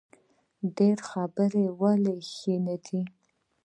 ډیرې خبرې ولې ښې نه دي؟